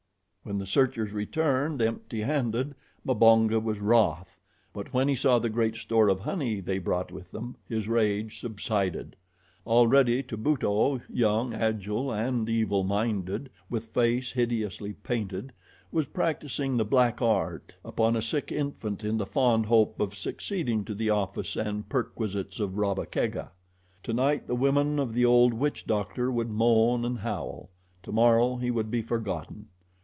When the searchers returned empty handed, Mbonga was wroth; but when he saw the great store of honey they brought with them his rage subsided. Already Tubuto, young, agile and evil minded, with face hideously painted, was practicing the black art upon a sick infant in the fond hope of succeeding to the office and perquisites of Rabba Kega. Tonight the women of the old witch doctor would moan and howl. Tomorrow he would be forgotten.